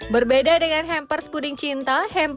berbeda dengan hampers puding cinta